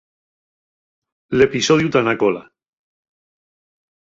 L'episodiu ta na cola.